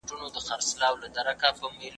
یوازي لس تنه دي